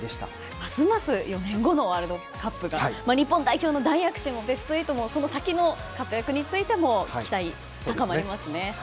ますます４年後のワールドカップが日本代表の大躍進もベスト８への進出も期待が高まりますね。